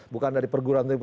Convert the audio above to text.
bukan dari perguruan